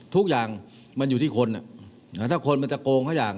ทุกอย่างมันอยู่ที่คนถ้าคนมันจะโกงเขาอย่าง